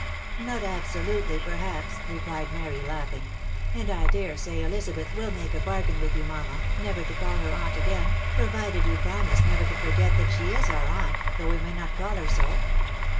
" Not absolutely, perhaps/' replied Mary, laughing ;" and I dare say Elizabeth will make a bargain with you, mamma, never to call her aunt again, provided you promise never to forget that she is our aunt, though we may not call her so."